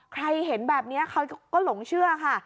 ใครเห็นแบบนี้เขาก็หลงเชื่อค่ะ